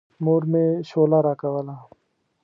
مور مې شوله راکوله.